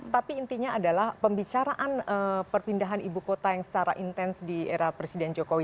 tapi intinya adalah pembicaraan perpindahan ibu kota yang secara intens di era presiden jokowi